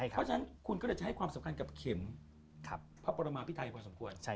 เพราะฉะนั้นคุณก็เลยจะให้ความสำคัญกับเข็มพระปรมาพิไทยพอสมควร